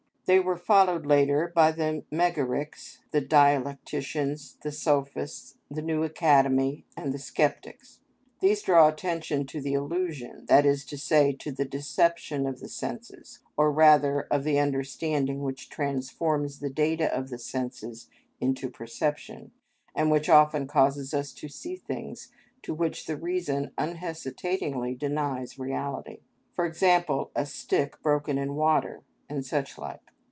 They were followed later by the Megarics, the Dialecticians, the Sophists, the New Academy, and the Sceptics; these drew attention to the illusion, that is to say, to the deception of the senses, or rather of the understanding which transforms the data of the senses into perception, and which often causes us to see things to which the reason unhesitatingly denies reality; for example, a stick broken in water, and such like.